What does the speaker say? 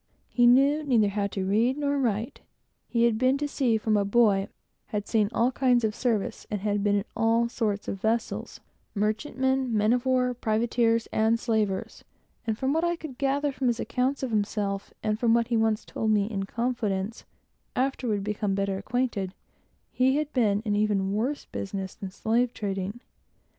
He neither knew how to read nor write. He had been to sea from a boy, and had seen all kinds of service, and been in every kind of vessel: merchantmen, men of war, privateers, and slavers; and from what I could gather from his accounts of himself, and from what he once told me, in confidence, after we had become better acquainted, he had even been in worse business than slave trading.